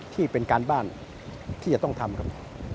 ที่เป็นการบ้านที่จะต้องทำครับ